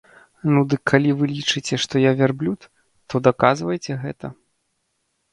Ну дык калі вы лічыце, што я вярблюд, то даказвайце гэта.